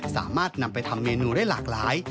สามารถนำไปทำเมนูได้หลากหลาย